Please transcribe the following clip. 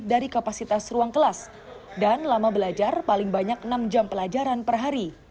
dari kapasitas ruang kelas dan lama belajar paling banyak enam jam pelajaran per hari